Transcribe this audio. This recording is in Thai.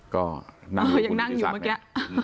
ก็ยังนั่งอยู่เมื่อกี้